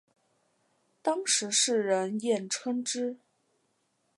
当时世人艳称之。